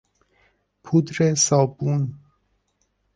پودر صابون